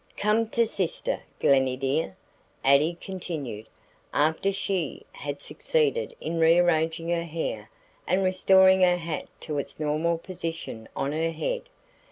"Come to sister, Glennie dear," Addie continued, after she had succeeded in rearranging her hair and restoring her hat to its normal position on her head.